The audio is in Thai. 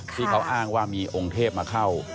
ที่เขาอ้างว่ามีองค์เทพมาเข้า